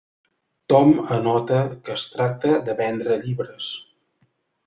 Tom anota que es tracta de vendre llibres.